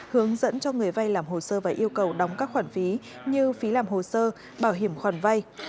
hướng dẫn cho người vay làm hồ sơ và yêu cầu đóng các khoản phí như phí làm hồ sơ bảo hiểm khoản vay